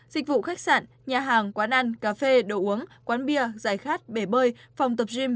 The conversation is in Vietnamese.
dịch vụ khách sạn nhà hàng quán ăn cà phê đồ uống quán bia giải khát bể bơi phòng tập gym